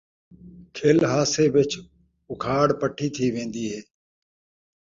کھل ہاسے وِچ اُکھاڑ پٹی تھی وین٘دی ہے